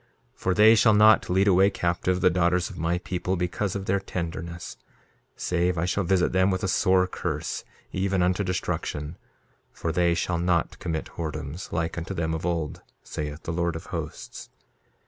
2:33 For they shall not lead away captive the daughters of my people because of their tenderness, save I shall visit them with a sore curse, even unto destruction; for they shall not commit whoredoms, like unto them of old, saith the Lord of Hosts.